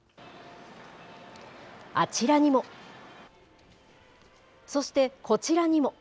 あちらにも、そしてこちらにも。